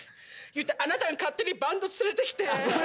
あなたが勝手にバンドつれてきて！